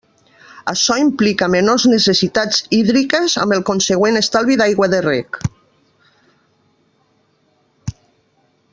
Açò implica menors necessitats hídriques amb el consegüent estalvi d'aigua de reg.